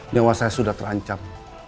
nyawa saya sudah terancam